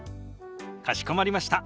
かしこまりました。